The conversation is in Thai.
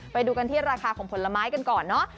ไปดูกันที่ราคาของผลไม้กันก่อนเนอะ